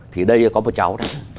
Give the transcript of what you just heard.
thì đây có một cháu đó